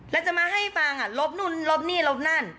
แล้วจะมาให้ฟางรถนุ่นรถนี่รถนั่น